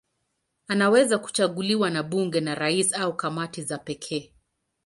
Anaweza kuchaguliwa na bunge, na rais au kamati za pekee.